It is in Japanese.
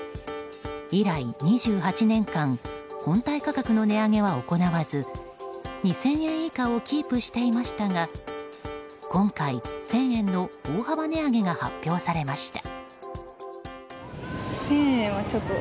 以来、２８年間本体価格の値上げは行わず２０００円以下をキープしていましたが今回、１０００円の大幅値上げが発表されました。